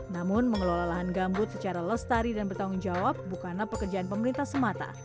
namun mengelola lahan gambut secara lestari dan bertanggung jawab bukanlah pekerjaan pemerintah semata